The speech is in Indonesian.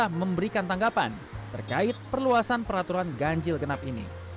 pemerintah memberikan tanggapan terkait perluasan peraturan ganjil genap ini